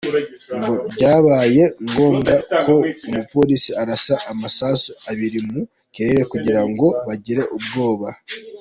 Ngo byabaye ngombwa ko umupolisi arasa amasasu abiri mu kirere kugira ngo bagire ubwoba.